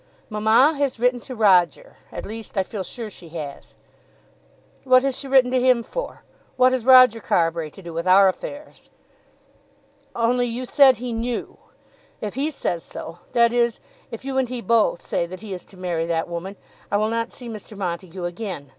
"Mamma has written to Roger. At least I feel sure she has." "What has she written to him for? What has Roger Carbury to do with our affairs?" "Only you said he knew! If he says so, that is, if you and he both say that he is to marry that woman, I will not see Mr. Montague again.